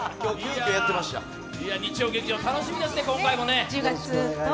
日曜劇場、楽しみですね、今回も。